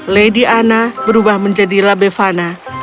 lady anna berubah menjadi labefana